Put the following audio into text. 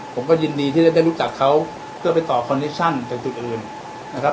ผมก็ยินดีที่จะได้รู้จักเขาเพื่อไปต่อคอนเนคชั่นจากจุดอื่นนะครับ